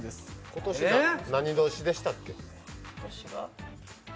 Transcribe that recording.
今年、何年でしたっけ？